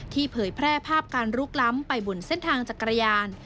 เผยแพร่ภาพการลุกล้ำไปบนเส้นทางจักรยาน